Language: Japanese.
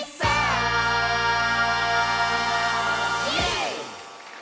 イエーイ！